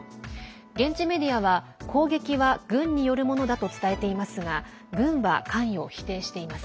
現地メディアは、攻撃は軍によるものだと伝えていますが軍は関与を否定しています。